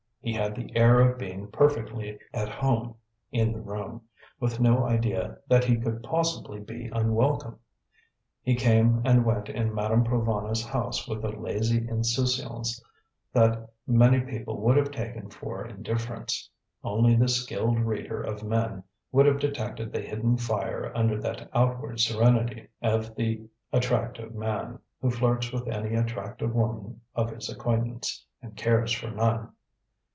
He had the air of being perfectly at home in the room, with no idea that he could possibly be unwelcome. He came and went in Madame Provana's house with a lazy insouciance that many people would have taken for indifference. Only the skilled reader of men would have detected the hidden fire under that outward serenity of the attractive man, who flirts with any attractive woman of his acquaintance, and cares for none.